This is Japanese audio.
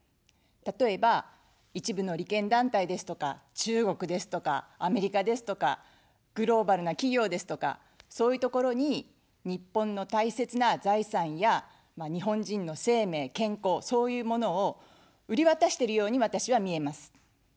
例えば、一部の利権団体ですとか、中国ですとか、アメリカですとか、グローバルな企業ですとか、そういうところに日本の大切な財産や日本人の生命、健康、そういうものを売り渡してるように私は見えます。